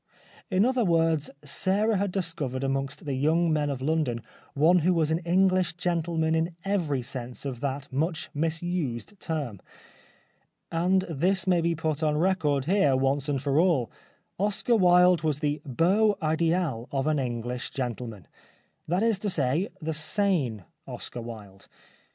In other words Sarah had discovered amongst the young men of London one who was an English gentleman in every sense of that much misused term. And this may be put on record here once and for all. Oscar Wilde was the heau idMl of an English gentleman. That is to say the sane Oscar Wilde.